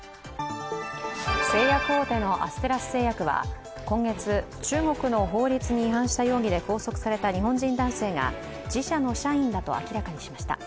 製薬大手のアステラス製薬は今月中国の法律に違反した容疑で拘束された日本人男性が自社の社員だと明らかにしました。